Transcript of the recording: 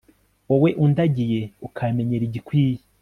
wowe undagiye, ukamenyera igikwiye